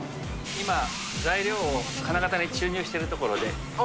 今、材料を金型に注入しているところで。